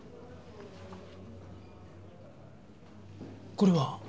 これは？